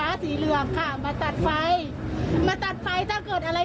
สวยชีวิตทั้งคู่ก็ออกมาไม่ได้อีกเลยครับ